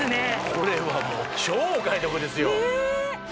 これはもう超お買い得ですよねえ